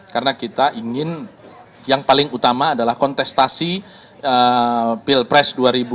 karena kita ingin yang paling utama adalah kontestasi pilpres dua ribu sembilan belas